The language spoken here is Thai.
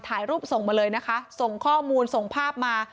ถ่ายรูปส่งมาเลยนะคะส่งข้อมูลส่งภาพมา